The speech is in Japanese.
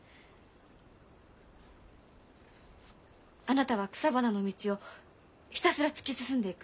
あなたは草花の道をひたすら突き進んでいく。